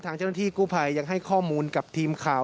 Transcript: เจ้าหน้าที่กู้ภัยยังให้ข้อมูลกับทีมข่าว